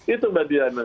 itu mbak diana